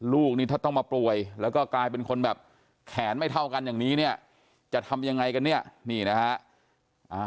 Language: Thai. ลูกนี่ถ้าต้องมาป่วยแล้วก็กลายเป็นคนแบบแขนไม่เท่ากันอย่างนี้เนี่ยจะทำยังไงกันเนี่ยนี่นะฮะ